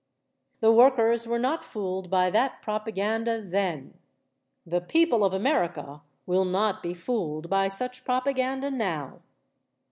The workers were not fooled by that propaganda then. The people of America will not be fooled by such propaganda now.